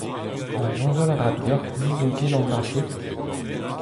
Ha soñjal a ra deoc'h n'ouzon ket an dra-se ?